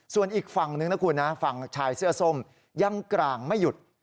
ส่วนอีกฝั่งนึงนะคุณนะฝั่งชายเสื้อส้มยังกลางไม่หยุด